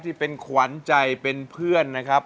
ที่เป็นขวัญใจเป็นเพื่อนนะครับ